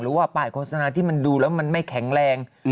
หรือว่าป้ายโฆษณาที่มันดูแล้วมันไม่แข็งแรง